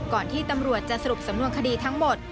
ที่ตำรวจจะสรุปสำนวนคดีทั้งหมด